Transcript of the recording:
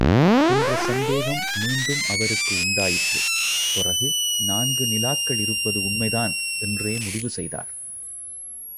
என்ற சந்தேகம் மீண்டும் அவருக்கு உண்டாயிற்று, பிறகு நான்கு நிலாக்கள் இருப்பது உண்மைதான் என்றே முடிவு செய்தார்.